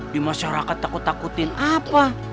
di masyarakat takut takutin apa